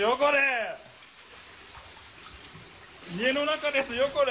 家の中ですよ、これ。